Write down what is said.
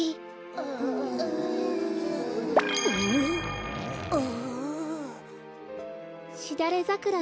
ああ。